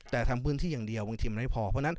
แต่ทำพื้นที่อย่างเดียวบังทิมไม่พอ